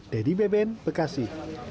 dedy beben bekasi